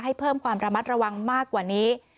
ให้เพิ่มความระมัดระวังมากกว่านี้